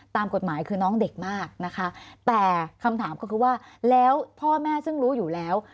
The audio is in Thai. ตามกฎหมายคือน้องเด็กมากนะคะแต่คำถามก็คือว่าแล้วพ่อแม่ซึ่งรู้อยู่แล้ว